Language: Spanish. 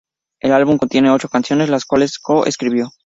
El álbum contiene ocho canciones, las cuales co-escribió.